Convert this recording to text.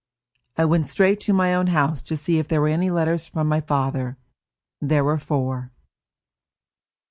I went straight to my own house to see if there were any letters from my father. There were four.